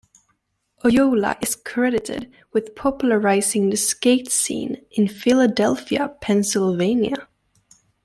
Oyola is credited with popularizing the skate scene in Philadelphia, Pennsylvania.